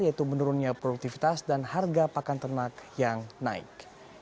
yaitu menurunnya produktivitas dan harga pakan ternak yang naik